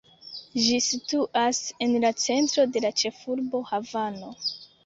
Ĝi situas en la centro de la ĉefurbo, Havano.